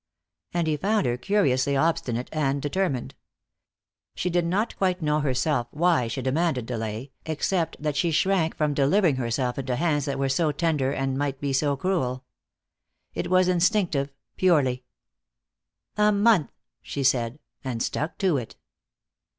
And he found her curiously obstinate and determined. She did not quite know herself why she demanded delay, except that she shrank from delivering herself into hands that were so tender and might be so cruel. It was instinctive, purely. "A month," she said, and stuck to it.